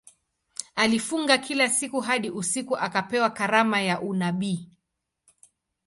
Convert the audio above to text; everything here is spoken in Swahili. Alifunga kila siku hadi usiku akapewa karama ya unabii.